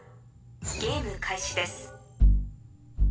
ゲーム開始です。